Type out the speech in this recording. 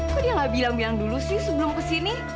kok dia gak bilang bilang dulu sih sebelum kesini